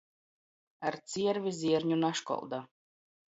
Ar ciervi zierņu naškolda.